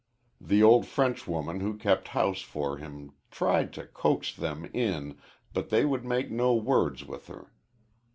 The old Frenchwoman who kept house for him tried to coax them in, but they would make no words with her.